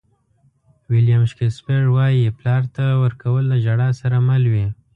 ویلیام شکسپیر وایي پلار ته ورکول له ژړا سره مل وي.